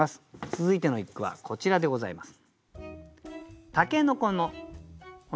続いての一句はこちらでございます。